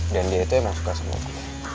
dan dia itu emang suka sama gua